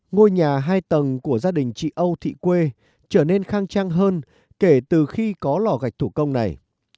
ngôi nhà hai tầng của gia đình chị âu thị quê trở nên khang trang hơn kể từ khi có lò gạch thủ công này